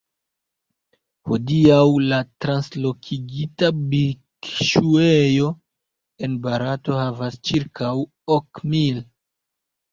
Hodiaŭ, la translokigita bikŝuejo en Barato havas ĉirkaŭ ok mil.